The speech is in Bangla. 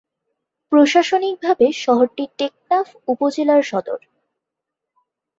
প্রশাসনিকভাবে শহরটি টেকনাফ উপজেলার সদর।